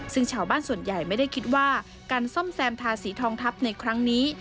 ซึ่งชาวบ้านส่วนใหญ่ไม่ได้คิดว่าการซ่อมแซมทาสีทองทัพในครั้งนี้